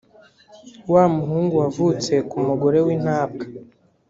wa muhungu wavutse ku mugore w’intabwa,